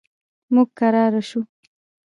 موږ کرار شو.